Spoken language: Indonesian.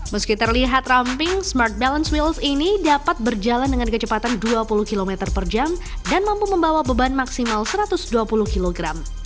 meski terlihat ramping smart balance wheels ini dapat berjalan dengan kecepatan dua puluh km per jam dan mampu membawa beban maksimal satu ratus dua puluh kg